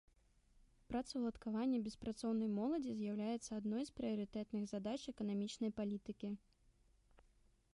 Працаўладкаванне беспрацоўнай моладзі з'яўляецца адной з прыярытэтных задач эканамічнай палітыкі.